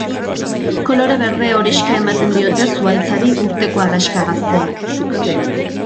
Kolore berde-horixka ematen diote zuhaitzari urteko adaxka gazteek.